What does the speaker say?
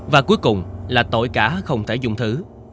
và cuối cùng là tội cả không thể dung thứ